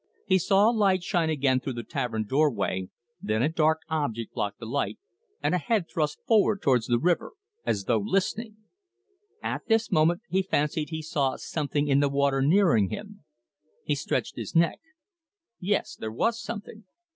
He saw a light shine again through the tavern doorway, then a dark object block the light, and a head thrust forward towards the river as though listening. At this moment he fancied he saw something in the water nearing him. He stretched his neck. Yes, there was something.